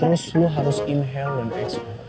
terus lu harus inhale dan exhale